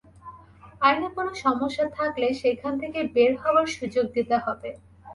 আইনে কোনো সমস্যা থাকলে সেখান থেকে বের হওয়ার সুযোগ দিতে হবে।